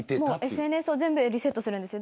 ＳＮＳを全部リセットするんですよ。